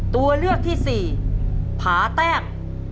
ตัวเลือกที่สี่ผาแต้ม